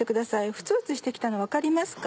フツフツして来たの分かりますか。